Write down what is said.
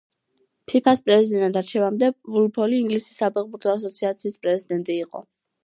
ფიფა-ს პრეზიდენტად არჩევამდე, ვულფოლი ინგლისის საფეხბურთო ასოციაციის პრეზიდენტი იყო.